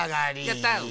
やった！ね！